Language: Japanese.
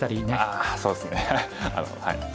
ああそうですねはい。